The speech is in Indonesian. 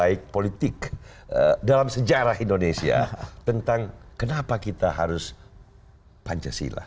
dan itu adalah teks politik dalam sejarah indonesia tentang kenapa kita harus pancasila